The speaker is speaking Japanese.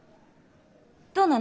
どうなの？